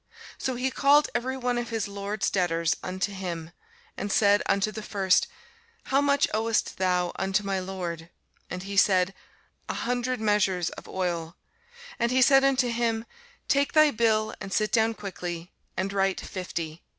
So he called every one of his lord's debtors unto him, and said unto the first, How much owest thou unto my lord? And he said, An hundred measures of oil. And he said unto him, Take thy bill, and sit down quickly, and write fifty.